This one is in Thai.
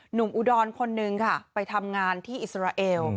อุดรคนนึงค่ะไปทำงานที่อิสราเอล